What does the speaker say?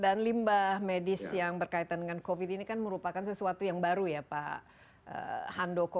dan limbah medis yang berkaitan dengan covid ini kan merupakan sesuatu yang baru ya pak handoko